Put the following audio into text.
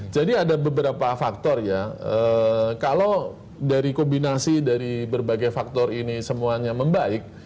jadi ada beberapa faktor ya kalau dari kombinasi dari berbagai faktor ini semuanya membaik